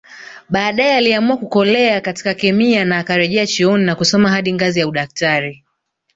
Baadae aliamua kukolea katika kemia na akarejea chuoni na kusoma hadi ngazi ya udaktari